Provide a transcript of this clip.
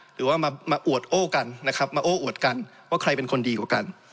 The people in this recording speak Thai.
หรือว่ามาอวดโอ้กันนะครับมาโอ้อวดกันว่าใครเป็นคนดีกว่ากัน